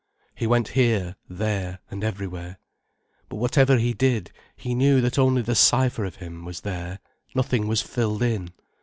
He went here, there, and everywhere. But whatever he did, he knew that only the cipher of him was there, nothing was filled in.